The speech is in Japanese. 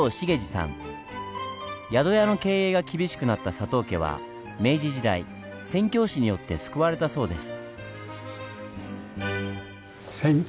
宿屋の経営が厳しくなった佐藤家は明治時代宣教師によって救われたそうです。